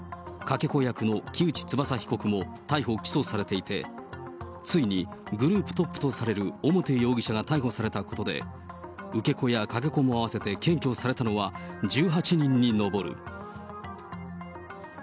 かけ子役の木内翼容疑者も逮捕・起訴されていて、ついにグループトップとされる表容疑者が逮捕されたことで、受け子やかけ子も合わせて検挙されたのは１８人に上る。